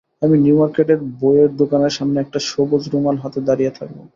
আমি নিউ মার্কেটের বইয়ের দোকানের সামনে একটা সবুজ রুমাল হাতে দাঁড়িয়ে থাকব।